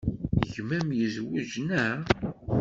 Gma-m yezwej, naɣ?